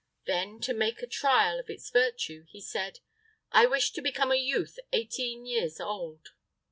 Then, to make a trial of its virtue, he said: "I wish to become a youth eighteen years old."